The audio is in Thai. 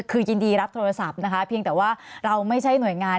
คือยินดีรับโทรศัพท์นะคะเพียงแต่ว่าเราไม่ใช่หน่วยงาน